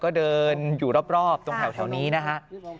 ก็เดินอยู่รอบตรงแถวนี้นะฮะ